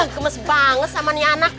kemes banget sama ni anak